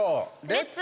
レッツ！